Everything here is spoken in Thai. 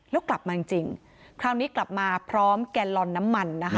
แล้วกลับมาจริงจริงคราวนี้กลับมาพร้อมแกลลอนน้ำมันนะคะ